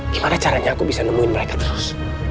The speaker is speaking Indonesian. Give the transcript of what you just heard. gimana caranya aku bisa nemuin mereka terus